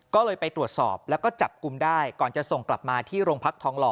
ก็เลยไปตรวจสอบแล้วก็จับกลุ่มได้ก่อนจะส่งกลับมาที่โรงพักทองหล่อ